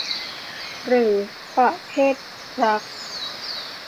หรือประเภทรัก